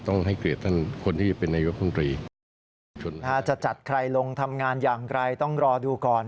ถ้าจะจัดใครลงทำงานอย่างไรต้องรอดูก่อน